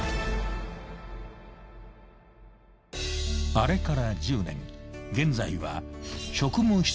［あれから１０年現在は］